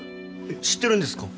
知ってるんですか？